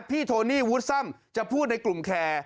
โทนี่วูดซ่ำจะพูดในกลุ่มแคร์